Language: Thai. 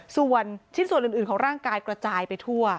ส่วนชิ้นส่วนอื่นของร่างกายกระจายไปทั่ว